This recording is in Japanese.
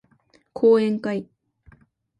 講演会